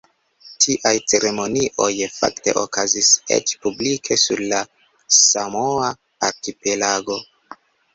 Tiaj ceremonioj fakte okazis eĉ publike sur la Samoa-arkipelago.